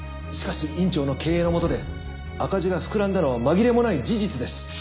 しかし院長の経営のもとで赤字が膨らんだのは紛れもない事実です。